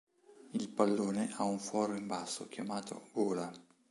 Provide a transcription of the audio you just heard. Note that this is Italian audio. Il pallone ha un foro in basso, chiamato "gola".